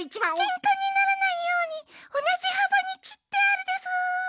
ケンカにならないようにおなじはばにきってあるでスー。